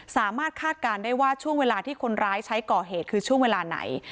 คาดการณ์ได้ว่าช่วงเวลาที่คนร้ายใช้ก่อเหตุคือช่วงเวลาไหน